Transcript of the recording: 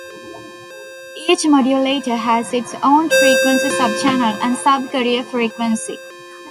Each modulator has its own frequency sub-channel and sub-carrier frequency.